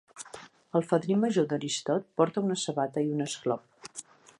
El fadrí major d'Aristot porta una sabata i un esclop.